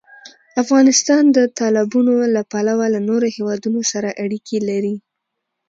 افغانستان د تالابونه له پلوه له نورو هېوادونو سره اړیکې لري.